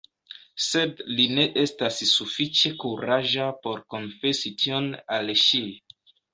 Sed li ne estas sufiĉe kuraĝa por konfesi tion al ŝi.